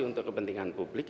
untuk kepentingan publik